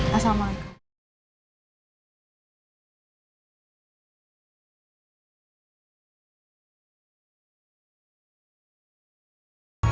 dan rumah raja kan juga deket